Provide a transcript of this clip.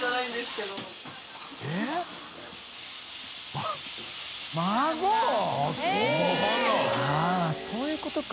あぁそういうことか。